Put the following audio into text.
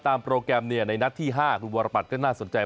ตามโปรแกรมในนัดที่๕คุณบัวระปัดก็น่าสนใจ